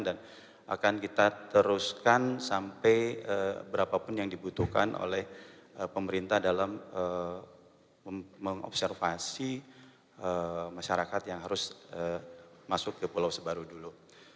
dan akan kita teruskan sampai berapa pun yang dibutuhkan oleh pemerintah dalam mengobservasi masyarakat yang harus masuk ke pulau sebaru dulu